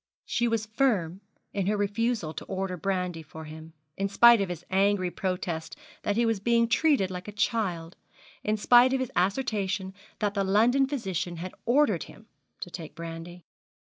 She was firm in her refusal to order brandy for him, in spite of his angry protest that he was being treated like a child, in spite of his assertion that the London physician had ordered him to take brandy.